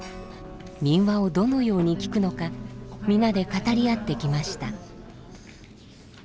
民話をどのようにきくのか皆で語り合ってきました。